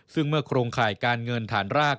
ซึ่งเมื่อโครงข่ายการเงินฐานราก